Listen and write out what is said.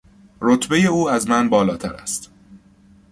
رتبهی او از من بالاتر است.